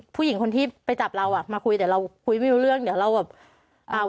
ผู้หญิงคนที่ไปจับเราอ่ะมาคุยแต่เราคุยไม่รู้เรื่องเดี๋ยวเราแบบอ่า